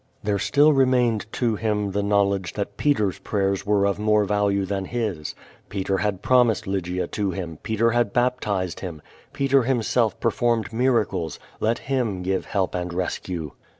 There still remained to him yet the knowledge that Peter's prayers were of more value than his. Peter had ])romised Lj'gia to him; Peter had baptized him; Peter himself per formed miracles; let him give help and rescue.